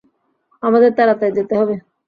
আমাদের তাড়াতাড়ি যেতে হবে!